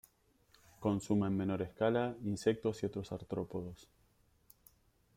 Consume en menor escala insectos y otros artrópodos.